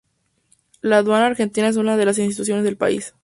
La Aduana Argentina es una de las instituciones del país.